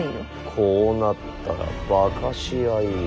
こうなったら化かし合いよ。